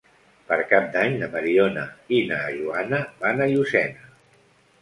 Per Cap d'Any na Mariona i na Joana van a Llucena.